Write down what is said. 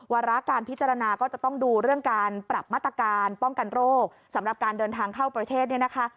วาระการพิจารณาก็จะต้องดูเรื่องการปรับมาตรการป้องกันโรคสำหรับการเดินทางเข้าประเทศเนี่ยนะคะ